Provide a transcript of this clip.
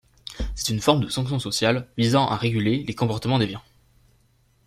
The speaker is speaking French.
C'est une forme de sanction sociale visant à réguler les comportements déviants.